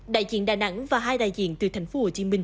đại diện đà nẵng và hai đại diện từ tp hcm